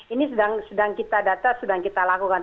ini sedang kita data sedang kita lakukan